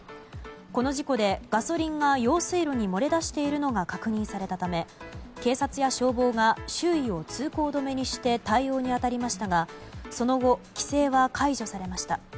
この事故でガソリンが用水路に漏れ出しているのが確認されたため警察や消防が周囲を通行止めにして対応に当たりましたがその後、規制は解除されました。